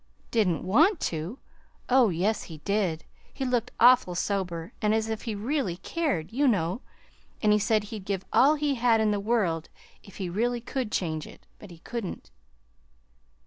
"Didn't want to? Oh, yes, he did! He looked awful sober, and as if he really cared, you know. And he said he'd give all he had in the world if he really could change it, but he couldn't."